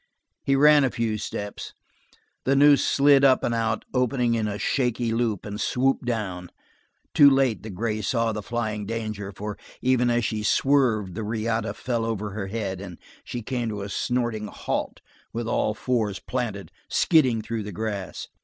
He ran a few steps. The noose slid up and out, opened in a shaky loop, and swooped down. Too late the gray saw the flying danger, for even as she swerved the riata fell over her head, and she came to a snorting halt with all fours planted, skidding through the grass.